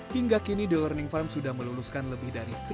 hingga kini the learning farm sudah meluluskan lebih dari satu dua ratus siswa